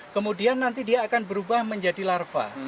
kemudian nanti dia akan berubah menjadi larva